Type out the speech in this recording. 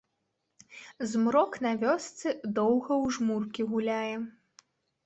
Змрок на вёсцы доўга ў жмуркі гуляе.